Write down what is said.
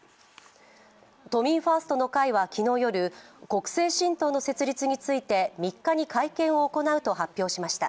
都民ファーストの会は昨日夜国政新党の設立について３日に会見を行うと発表しました。